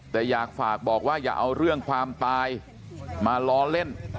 แต่อยากฝากบอกว่าอย่าเอาเรื่องความตายมาล้อเล่น